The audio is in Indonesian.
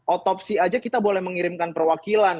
otopsi aja kita boleh mengirimkan perwakilan